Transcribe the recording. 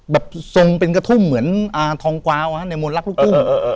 แบบทรงเป็นกระทุ่มเหมือนทองกวาวนะฮะในมวลรักลูกตู้